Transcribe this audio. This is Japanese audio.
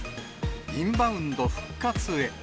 インバウンド復活へ。